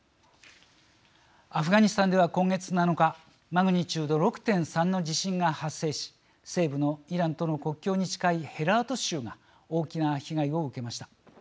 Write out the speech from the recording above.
アフガニスタンでは今月７日マグニチュード６．３の地震が発生し西部のイランとの国境に近いヘラート州が大きな被害を受けました。